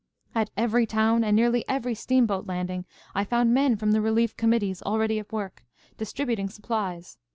"At every town, and nearly every steamboat landing, I found men from the relief committees already at work, distributing supplies.